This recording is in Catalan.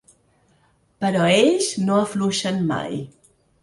Però ells no afluixen mai.